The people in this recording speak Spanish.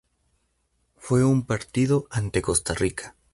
Fue en un partido ante Costa Rica.